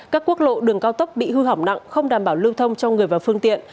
các quốc lộ đường cao tốc bị hư hỏng nặng không đảm bảo lưu thông cho người và phương tiện